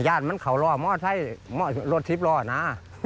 งานมันเขารอมอไซค์รถทริปรอหนา